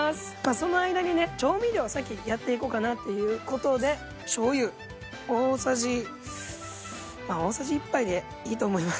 その間にね調味料を先やっていこうかなっていう事でしょうゆ大さじ大さじ１杯でいいと思います。